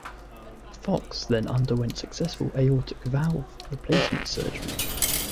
Fox then underwent successful aortic valve replacement surgery.